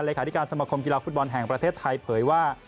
ขาธิการสมคมกีฬาฟุตบอลแห่งประเทศไทยเผยว่า